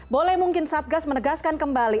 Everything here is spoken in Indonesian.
boleh mungkin satgas menegaskan kembali